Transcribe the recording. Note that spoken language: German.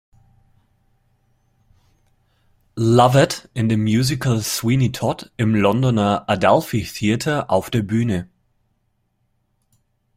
Lovett" in dem Musical "Sweeney Todd" im Londoner Adelphi Theatre auf der Bühne.